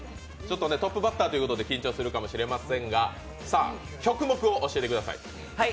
トップバッターということで緊張するかもしれませんが曲目を教えてください。